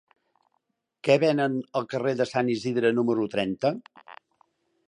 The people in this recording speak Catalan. Què venen al carrer de Sant Isidre número trenta?